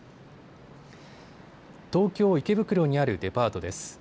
東京池袋にあるデパートです。